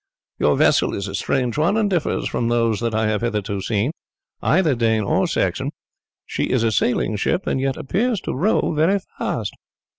Your vessel is a strange one, and differs from those that I have hitherto seen, either Dane or Saxon. She is a sailing ship, and yet appears to row very fast."